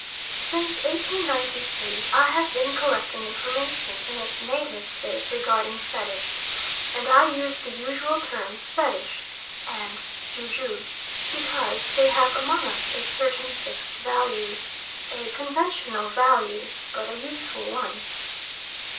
Since 1893 I have been collecting information in its native state regarding Fetish, and I use the usual terms fetish and ju ju because they have among us a certain fixed value a conventional value, but a useful one.